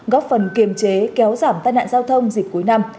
góp phần kiềm chế kéo giảm tai nạn giao thông dịp cuối năm